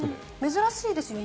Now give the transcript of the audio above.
珍しいですよね。